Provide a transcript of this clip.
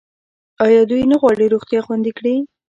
آیا دوی نه غواړي روغتیا خوندي کړي؟